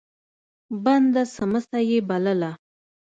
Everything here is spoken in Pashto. بنده سمڅه يې بلله.